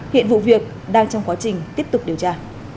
hiện vụ việc đang trong quá trình tiếp tục điều tra